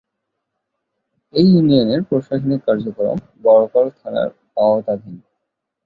এ ইউনিয়নের প্রশাসনিক কার্যক্রম বরকল থানার আওতাধীন।